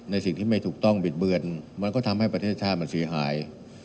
ในสิ่งที่ไม่ถูกต้องบิดเบือนมันก็ทำให้ประเทศชาติมันเสียหาย